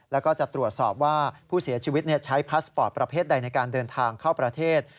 แล้วก็จะตรวจสอบว่าผู้เสียชีวิตใช้พาสปอร์ตประเภทใดในการเดินทางเข้าประเทศ